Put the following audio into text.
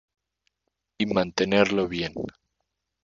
Y mantenerlo bien.